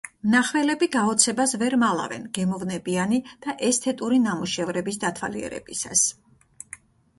მნახველები გაოცებას ვერ მალავენ გემოვნებიანი და ესთეტური ნამუშევრების დათვალიერებისას.